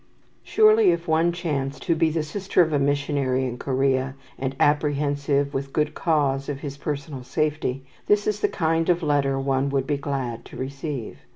Surely if one chanced to be the sister of a missionary in Corea, and apprehensive, with good cause, of his personal safety, this is the kind of a letter one would be glad to receive.